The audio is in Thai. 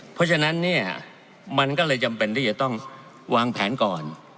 เพราะฉะนั้นเนี่ยมันก็เลยจำเป็นที่จะต้องวางแผนก่อน